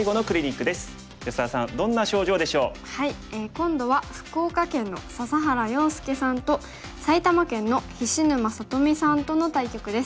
今度は福岡県の笹原陽介さんと埼玉県の菱沼さとみさんとの対局です。